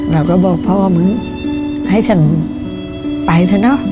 เราก็บอกพ่อมึงให้ฉันไปเถอะเนอะ